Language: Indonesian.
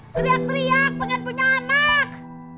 teriak teriak pengen punya anak